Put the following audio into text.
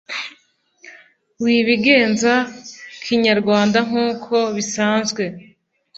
wibigenza kinyarwanda nkuko bisanzwe